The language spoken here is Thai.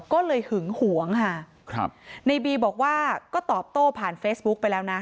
ก็เลยหึงหวงค่ะครับในบีบอกว่าก็ตอบโต้ผ่านเฟซบุ๊กไปแล้วนะ